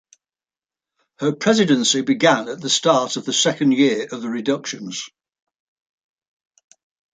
Her presidency began at the start of the second year of the reductions.